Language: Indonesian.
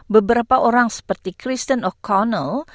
beberapa orang seperti kristen o connell